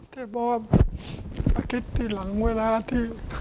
แต่เพราะว่าอาทิตย์ที่หลังเวลาที่